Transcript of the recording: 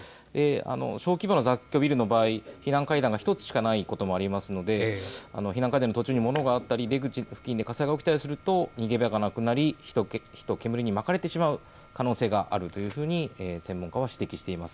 小規模な雑居ビルの場合、避難階段が１つしかないこともありますので避難階段の途中に物があったり出口付近で火災があったりすると逃げ場がなくなり火と煙にまかれてしまう可能性もあると専門家は指摘しています。